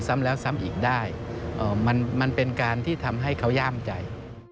มันเป็นการที่ทำให้เขาย่ามใจ